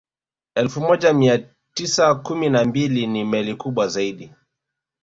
Elfu moja mia mtisa kumi na mbili na meli kubwa zaidi